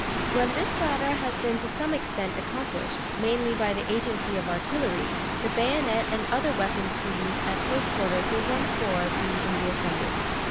When this latter has been to some extent accomplished, mainly by the agency of artillery, the bayonet and other weapons for use at close quarters will once more be in the ascendant.